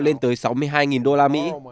lên tới sáu mươi hai đô la mỹ